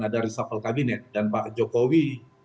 ada reshuffle kabinet dan pak jokowi